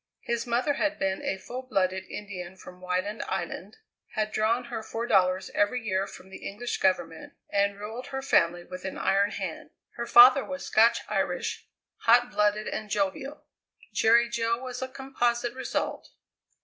His mother had been a full blooded Indian from Wyland Island, had drawn her four dollars every year from the English Government, and ruled her family with an iron hand; his father was Scotch Irish, hot blooded and jovial; Jerry Jo was a composite result.